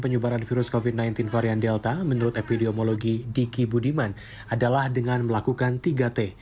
penyebaran virus covid sembilan belas varian delta menurut epidemiologi diki budiman adalah dengan melakukan tiga t